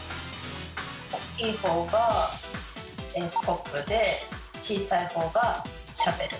大きい方がスコップで小さい方がシャベル。